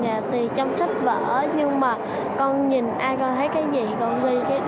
dạ thì trong sách vở nhưng mà con nhìn ai con thấy cái gì con ghi cái đó